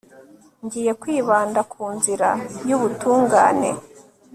ngiye kwibanda ku nzira y'ubutungane